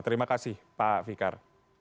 terima kasih pak fikar